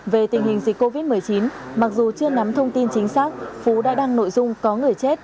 về tình hình dịch covid một mươi chín mặc dù chưa nắm thông tin chính xác phú đã đăng nội dung có người chết